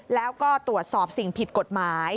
แล้วก็ตรวจสอบสิ่งผิดกฎหมาย